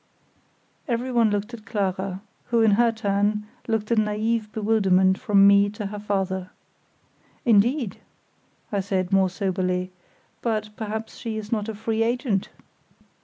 Everyone looked at Clara, who in her turn looked in naïve bewilderment from me to her father. "Indeed?" I said, more soberly, "but perhaps she is not a free agent."